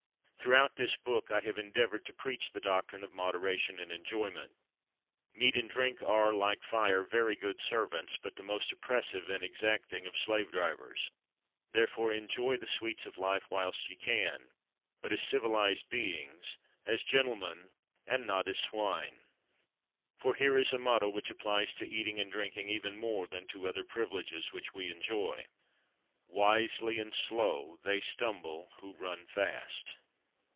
Throughout this book I have endeavoured to preach the doctrine of moderation in enjoyment. Meat and drink are, like fire, very good servants, but the most oppressive and exacting of slave drivers. Therefore enjoy the sweets of life, whilst ye can; but as civilised beings, as gentlemen, and not as swine. For here is a motto which applies to eating and drinking even more than to other privileges which we enjoy: "Wisely, and slow; They stumble who run fast!"